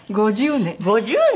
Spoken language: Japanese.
５０年。